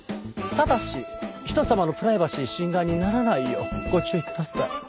ただし人様のプライバシー侵害にならないようご注意ください。